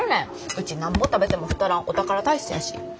ウチなんぼ食べても太らんお宝体質やし。